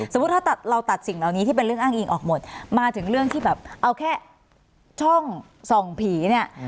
ถ้าเราตัดสิ่งเหล่านี้ที่เป็นเรื่องอ้างอิงออกหมดมาถึงเรื่องที่แบบเอาแค่ช่องส่องผีเนี่ย